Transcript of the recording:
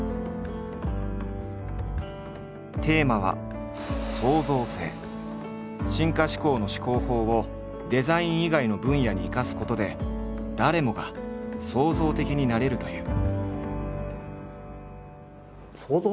テーマは「進化思考」の思考法をデザイン以外の分野に生かすことで誰もが創造的になれるという。